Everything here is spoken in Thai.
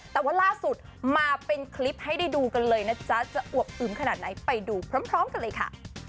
แต่ว่าล่าสุดมาเป็นคลิปให้ได้ดูกันเลยนะจ๊ะจะอวบอึมขนาดไหนไปดูพร้อมกันเลยค่ะ